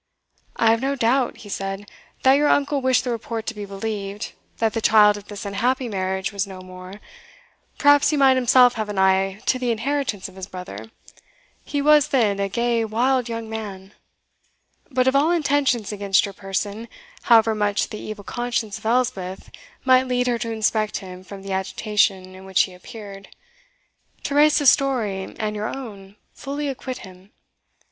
"I have no doubt," he said, "that your uncle wished the report to be believed, that the child of this unhappy marriage was no more perhaps he might himself have an eye to the inheritance of his brother he was then a gay wild young man But of all intentions against your person, however much the evil conscience of Elspeth might lead her to inspect him from the agitation in which he appeared, Teresa's story and your own fully acquit him.